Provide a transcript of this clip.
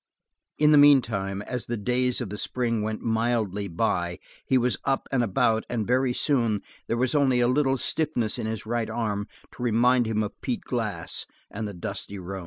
In the meantime, as the days of the spring went mildly by, he was up and about and very soon there was only a little stiffness in his right arm to remind him of Pete Glass and the dusty roan.